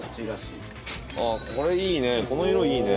これいいね。